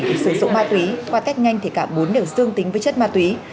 để sử dụng ma túy qua test nhanh thì cả bốn đều dương tính với chất ma túy